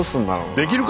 できるか！